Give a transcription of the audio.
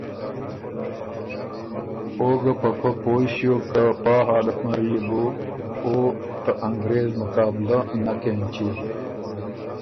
او ګه په پۀ پوی ݭیوک که پا حالت نر يې بو او ته انګرېز مقابله نک اېنچی،